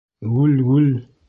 Гүл-гүл!